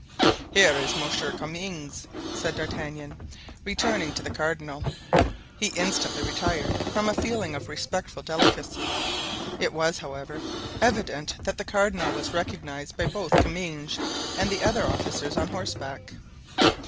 "Here is Monsieur Comminges," said D'Artagnan, returning to the cardinal. He instantly retired, from a feeling of respectful delicacy; it was, however, evident that the cardinal was recognized by both Comminges and the other officers on horseback.